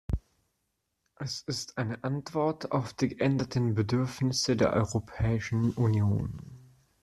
Es ist eine Antwort auf die geänderten Bedürfnisse der Europäischen Union.